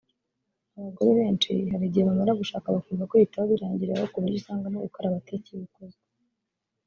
Abagore benshi hari igihe bamara gushaka bakumva kwiyitaho birangiriye aho kuburyo usanga no gukaraba atakibikozwa